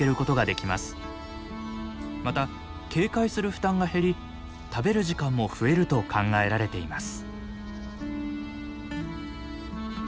また警戒する負担が減り食べる時間も増えると考えられています。